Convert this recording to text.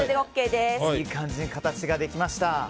いい感じに形ができました。